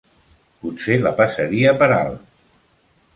Potser la passaria per alt!